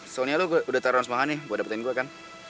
soalnya lo udah taruhan semangat nih buat dapetin gue kan